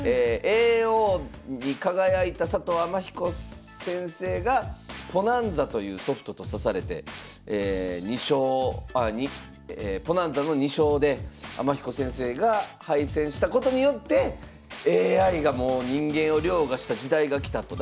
叡王に輝いた佐藤天彦先生がＰＯＮＡＮＺＡというソフトと指されて２勝ＰＯＮＡＮＺＡの２勝で天彦先生が敗戦したことによってＡＩがもう人間を凌駕した時代が来たと。